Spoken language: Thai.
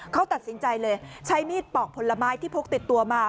เขาตัดสินใจเลยใช้มีดปอกผลไม้ที่พกติดตัวมา